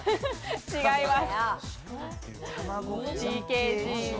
違います。